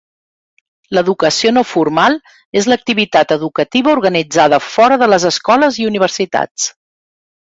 L'educació no formal és l'activitat educativa organitzada fora de les escoles i universitats.